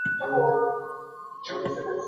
هغه د بېلابېلو هېوادونو لپاره کار کړی دی.